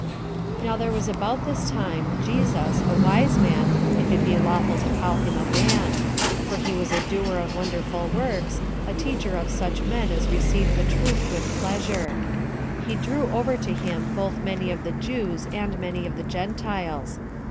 3. Now there was about this time Jesus, a wise man, if it be lawful to call him a man; for he was a doer of wonderful works, a teacher of such men as receive the truth with pleasure. He drew over to him both many of the Jews and many of the Gentiles.